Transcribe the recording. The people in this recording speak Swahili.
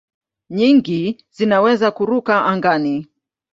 Nyingi zinaweza kuruka angani.